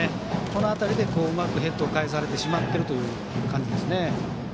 この辺りでうまくヘッドを返されてしまっている感じですね。